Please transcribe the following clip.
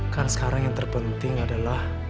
kan sekarang yang terpenting adalah